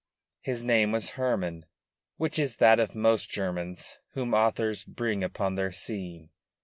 His name was Hermann, which is that of most Germans whom authors bring upon their scene.